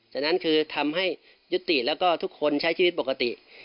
ฉะนั้นคือทำให้ยุติแล้วก็ทุกคนใช้ชีวิตปกติ